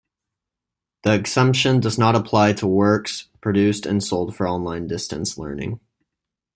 The exemption does not apply to works produced and sold for online distance learning.